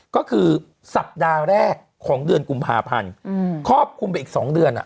ก็คือสัปดาห์แรกของเดือนกุมภาพันธ์ครอบคลุมไปอีก๒เดือน